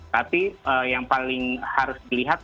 tapi yang paling harus dilihat